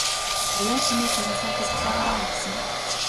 Авиа чимээ чагнасаар би зогсоогоороо унтсан.